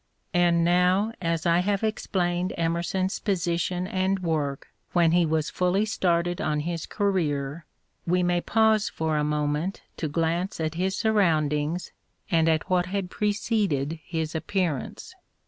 And now, as I have explained Emerson's position and work when he was fully started on his career, we may pause for a moment to glance at his surroundings and at what had preceded his appearance.